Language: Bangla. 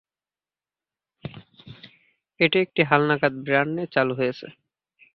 এটি একটি হালনাগাদ ব্র্যান্ড নিয়ে চালু হয়েছে।